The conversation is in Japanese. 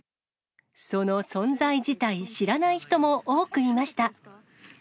その存在自体、知らない人も多くいました。